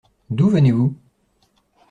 D’où venez-vous ?